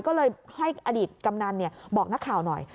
ก็เลยให้อดีตกำนันบอกนักข่าวหน่อย